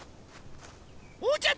おうちゃん